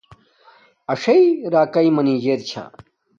اݽݵ راکاݵ منجر چھا